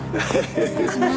失礼します。